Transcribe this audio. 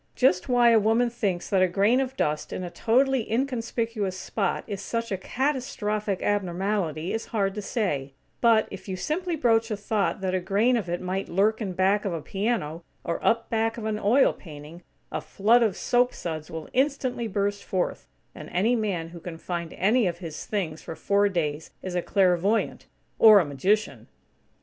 Just why a woman thinks that a grain of dust in a totally inconspicuous spot is such a catastrophic abnormality is hard to say; but if you simply broach a thought that a grain of it might lurk in back of a piano, or up back of an oil painting, a flood of soap suds will instantly burst forth; and any man who can find any of his things for four days is a clairvoyant, or a magician!